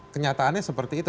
kenyataannya seperti itu